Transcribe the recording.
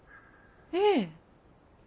ええ。